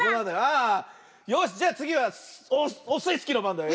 よしじゃあつぎはオスイスキーのばんだよ。